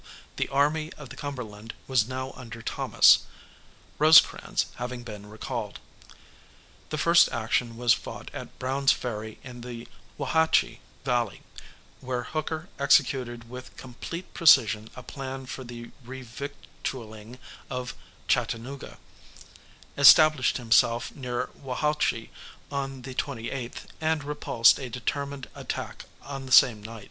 The Army of the Cumberland was now under Thomas, Rosecrans having been recalled. The first action was fought at Brown's Ferry in the Wauhatchie valley, where Hooker executed with complete precision a plan for the revictualling of Chattanooga, established himself near Wauhatchie on the 28th, and repulsed a determined attack on the same night.